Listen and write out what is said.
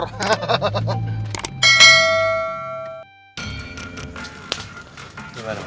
bukan ngerti can propia